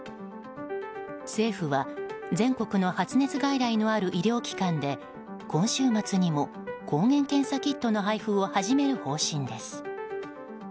政府は全国の発熱外来のある医療機関で今週末にも抗原検査キットの配布を始める方針です。